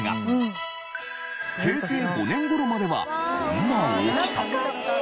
平成５年頃まではこんな大きさ。